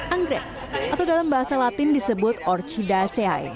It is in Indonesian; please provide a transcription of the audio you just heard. angrek atau dalam bahasa latin disebut orchida seae